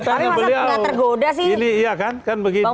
tapi masa tidak tergoda sih